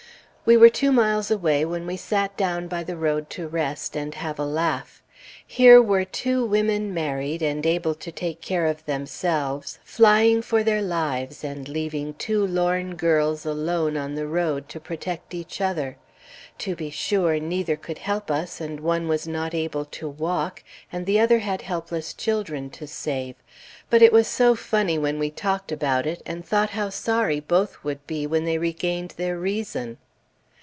We were two miles away when we sat down by the road to rest, and have a laugh. Here were two women married, and able to take care of themselves, flying for their lives and leaving two lorn girls alone on the road, to protect each other! To be sure, neither could help us, and one was not able to walk, and the other had helpless children to save; but it was so funny when we talked about it, and thought how sorry both would be when they regained their reason!